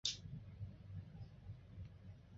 市场问题也可以用分层广义线性模型来分析。